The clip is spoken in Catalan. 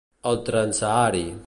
El Transsahari